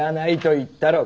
言ったろう。